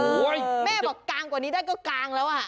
แม่บอกกางกว่านี้ได้ก็กางแล้วอ่ะ